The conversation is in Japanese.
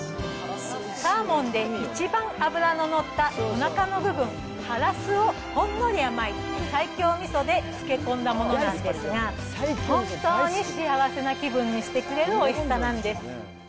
サーモンで一番脂の乗ったおなかの部分、ハラスをほんのり甘い西京みそで漬け込んだものなんですが、本当に幸せな気分にしてくれるおいしさなんです。